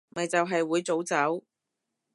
咪就係會早走